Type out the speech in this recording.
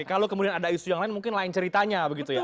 kalau kemudian ada isu yang lain mungkin lain ceritanya begitu ya